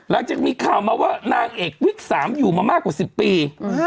หลังจากมีข่าวมาว่านางเอกวิก๓อยู่มามากกว่า๑๐ปี